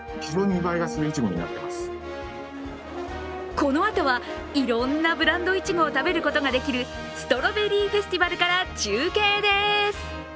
このあとはいろんなブランドいちごを食べることができるストロベリーフェスティバルから中継です。